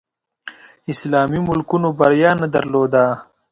اسلامي ملکونو بریا نه درلوده